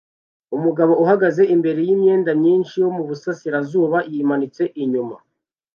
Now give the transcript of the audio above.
Umugabo ahagaze imbere yimyenda myinshi yo muburasirazuba yimanitse inyuma